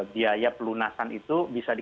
hai pak shodoso